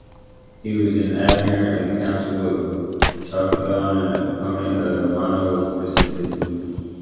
He was an adherent of the Council of Chalcedon and opponent of Monophysitism.